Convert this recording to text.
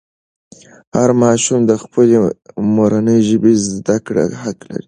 هر ماشوم د خپلې مورنۍ ژبې زده کړه حق لري.